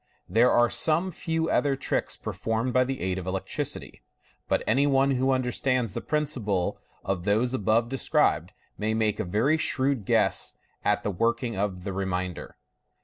There are some few other tricks performed by the aid of electricity, but any one who understands the principle of those above described may make a very shrewd guess at the working of the remainder.